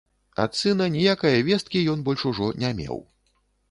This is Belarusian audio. Ад сына ніякае весткі ён больш ужо не меў.